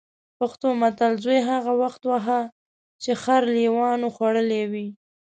پښتو متل: زوی هغه وخت وهه چې خر لېوانو خوړلی وي.